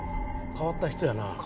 変わった人やな。